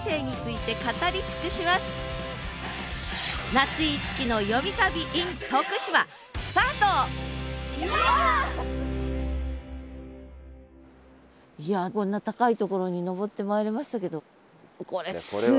いやこんな高いところに上ってまいりましたけど。